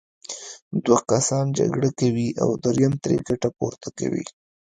دوه کسان جګړه کوي او دریم ترې ګټه پورته کوي.